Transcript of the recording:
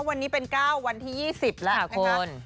วันนี้เป็น๙วันที่๒๐แล้วนะคะ